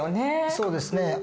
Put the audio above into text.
そうですね。